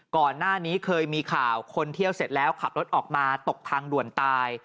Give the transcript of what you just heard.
ก่อนหน้านี้เคยมีข่าวคนเที่ยวเสร็จแล้วขับรถออกมาตกทางด่วนตาย